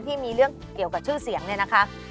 ที่มีเรื่องเกี่ยวกับชื่อเสียงเนี่ยนะคะ